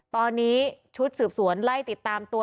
ตอนนี้ชุดสืบสวนไล่ติดตามตัว